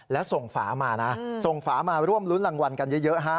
แล้วส่งฝามานะส่งฝามาร่วมรุ้นรางวัลกันเยอะฮะ